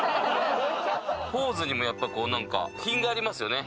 ポーズにもやっぱこう何か品がありますよね。